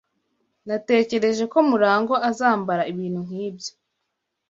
Natekereje ko Murangwa azambara ibintu nkibyo.